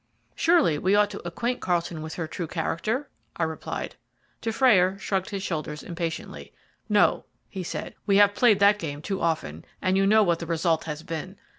"Surely we ought to acquaint Carlton with her true character?" I replied. Dufrayer shrugged his shoulders impatiently. "No," he said, "we have played that game too often, and you know what the result has been.